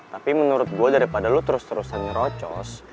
tapi menurut gue daripada lo terus terusan ngerocos